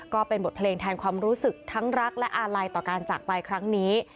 ก็เป็นบทเพลงแทนความรู้สึกทั้งรักและอาลัยต่อการจากไปครั้งนี้